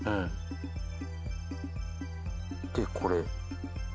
でこれ。